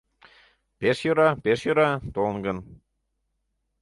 Пеш йӧра, пеш йӧра, толын гын.